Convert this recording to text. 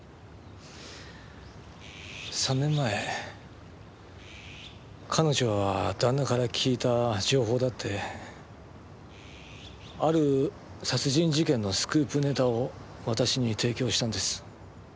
３年前彼女は「旦那から聞いた情報だ」ってある殺人事件のスクープネタを私に提供したんです。